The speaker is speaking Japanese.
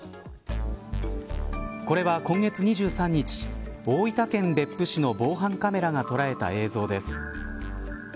これは今月２３日大分県別府市の防犯カメラが捉えた映像です。